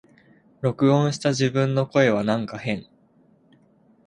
録音した自分の声はなんか変